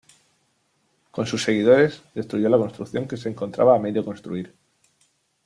Con sus seguidores, destruyó la construcción que se encontraba a medio construir.